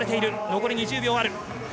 残り２０秒ある。